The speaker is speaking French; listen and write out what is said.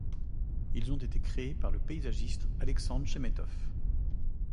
Ils ont été créés par le paysagiste Alexandre Chemetoff.